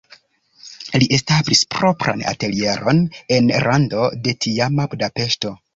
Li establis propran atelieron en rando de tiama Budapeŝto.